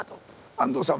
安藤さん